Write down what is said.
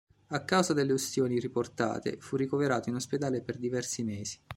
A causa delle ustioni riportate, fu ricoverato in ospedale per diversi mesi.